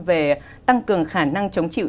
về tăng cường khả năng chống chịu